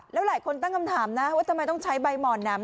แล้วหลายคนตั้งคำถามนะว่าทำไมต้องใช้ใบหมอนน่ะ